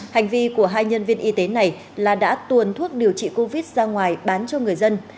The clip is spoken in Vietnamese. hành vi của hai nhân viên y tế này là đã tuồn thuốc điều trị covid ra ngoài bán cho người dân